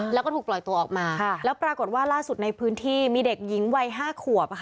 แล้วก็ถูกปล่อยตัวออกมาแล้วปรากฏว่าล่าสุดในพื้นที่มีเด็กหญิงวัย๕ขวบ